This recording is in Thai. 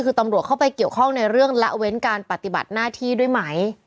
คือตำรวจเข้าไปเกี่ยวข้องในเรื่องละเว้นการปฏิบัติหน้าที่ด้วยไหม